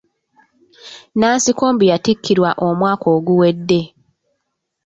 Nansikombi yatikkirwa omwaka oguwedde.